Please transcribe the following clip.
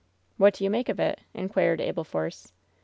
"What do you make of it ?" inquired Abel Force.